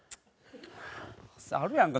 あるやんか。